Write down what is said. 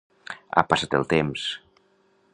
Ha passat el temps.